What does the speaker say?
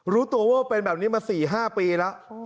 รู้ตัวว่าเป็นแบบนี้มา๔๕ปีแล้ว